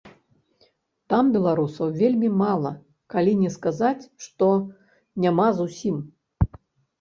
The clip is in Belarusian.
Там беларусаў вельмі мала, калі не сказаць, што няма зусім.